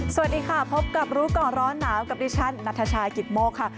สวัสดีค่ะพบกับรู้ก่อนร้อนหนาวกับดิฉันนัทชายกิตโมกค่ะ